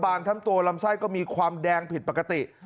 ทั้งตัวลำไส้ก็มีความแดงผิดปกติ